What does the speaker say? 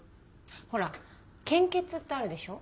ほら献血ってあるでしょ？